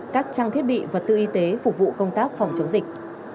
các trang thiết bị vật tư y tế phục vụ công tác phòng chống dịch